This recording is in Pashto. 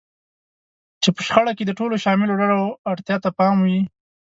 چې په شخړه کې د ټولو شاملو ډلو اړتیا ته پام شوی وي.